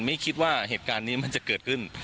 ไม่คิดว่าเหตุการณ์นี้มันจะเกิดขึ้น